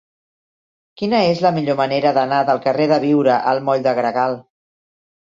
Quina és la millor manera d'anar del carrer de Biure al moll de Gregal?